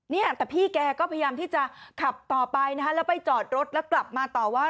เนี่ยแต่พี่แกก็พยายามที่จะขับต่อไปนะฮะแล้วไปจอดรถแล้วกลับมาต่อว่า